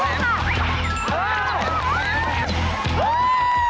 ไม่เหนียวไม่เหนียว